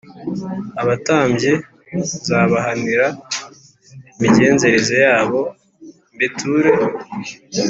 abatambyi nzabahanira imigenzereze yabo mbiture